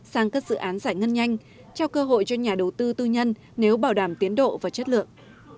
sang các dự án giải ngân nhanh trao cơ hội cho nhà đầu tư tư nhân nếu bảo đảm tiến độ và chất lượng